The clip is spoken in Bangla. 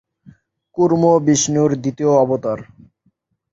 কূর্ম বিষ্ণুর দ্বিতীয় অবতার।